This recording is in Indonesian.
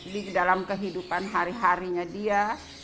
di dalam kehidupan hari harinya dia